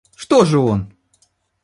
Что же он?